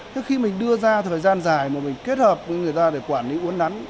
thế khi mình đưa ra thời gian dài mà mình kết hợp với người ta để quản lý uốn nắn